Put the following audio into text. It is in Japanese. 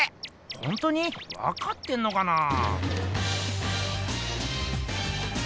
ほんとにわかってんのかなぁ？